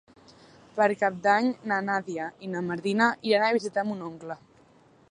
Per Cap d'Any na Nàdia i na Martina iran a visitar mon oncle.